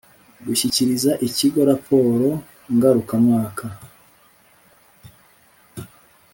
Gushyikiriza Ikigo raporo ngarukamwaka